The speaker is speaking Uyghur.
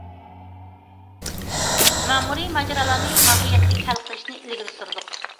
مەمۇرىي ماجىرالارنى ماھىيەتلىك ھەل قىلىشنى ئىلگىرى سۈردۇق.